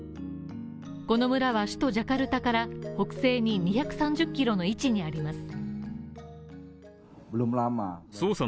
この村は首都ジャカルタから北西に２３０キロの位置にあります。